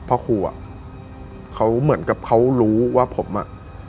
พ่อครูอ่ะเขาเหมือนกับเขารู้ว่าผมอ่ะ